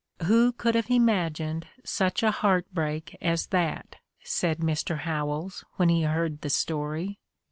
"Who could have imagined such a heart break as that?" said Mr. Howells, when he heard the story.